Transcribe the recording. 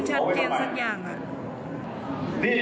คำมดกรณ์ของคุณภาคลูก